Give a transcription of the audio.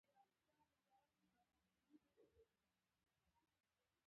له دروازې سره مخ په مخ شوو، تر سایوان لاندې په چټک کې.